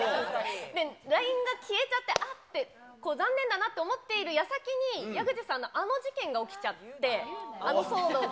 で、ＬＩＮＥが消えちゃって、あっ、残念だなと思っている矢先に矢口さんのあの事件が起きちゃって、あの騒動が。